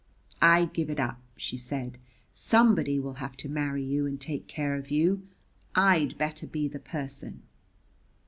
"I give it up!" she said. "Somebody will have to marry you and take care of you. I'd better be the person."